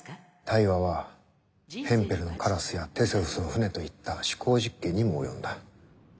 対話は「ヘンペルのカラス」や「テセウスの船」といった思考実験にも及んだ。